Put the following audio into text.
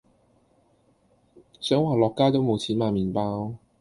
想話落街都冇錢買麵包